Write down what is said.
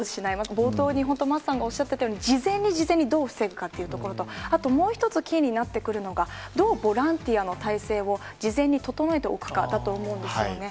冒頭に本当、桝さんがおっしゃってたように、事前に事前にどう防ぐかというところと、あともう一つ、キーになってくるのが、どうボランティアの態勢を事前に整えておくかだと思うんですよね。